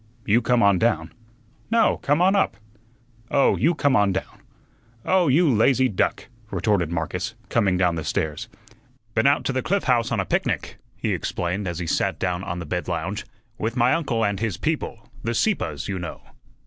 "You come on down." "No, come on up." "Oh, you come on down." "Oh, you lazy duck!" retorted Marcus, coming down the stairs. "Been out to the Cliff House on a picnic," he explained as he sat down on the bed lounge, "with my uncle and his people the Sieppes, you know.